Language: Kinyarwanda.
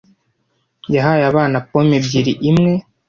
Yahaye abana pome ebyiri imwe.